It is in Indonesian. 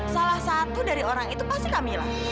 salah satu dari orang itu pasti camilla